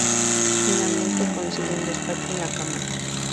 Finalmente consigue un despacho en la Cámara.